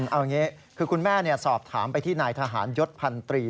เอาอย่างนี้คือคุณแม่สอบถามไปที่นายทหารยศพันตรี